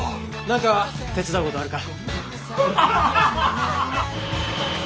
何か手伝うことあるか？